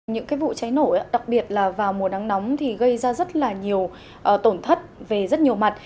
những cái vụ cháy nổ đặc biệt là vào mùa nắng nóng thì gây ra rất là nhiều tổn thất về rất nhiều mặt